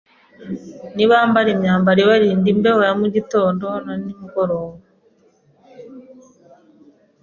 Nibambara imyambaro ibarinda imbeho ya mugitondo na nimugoroba,